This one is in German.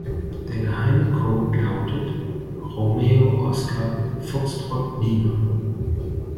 Der geheime Code lautet Romeo Oskar Foxtrott Lima.